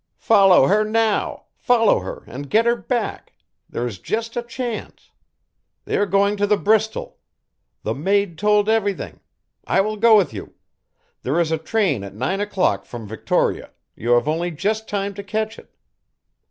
"Follow her now, follow her and get her back, there is just a chance. They are going to the Bristol. The maid told everything I will go with you. There is a train at nine o'clock from Victoria, you have only just time to catch it."